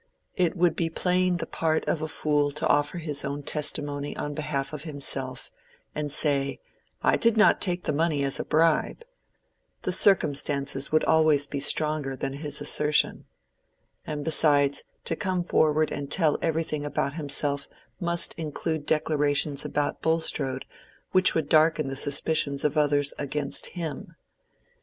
It would be playing the part of a fool to offer his own testimony on behalf of himself, and say, "I did not take the money as a bribe." The circumstances would always be stronger than his assertion. And besides, to come forward and tell everything about himself must include declarations about Bulstrode which would darken the suspicions of others against him.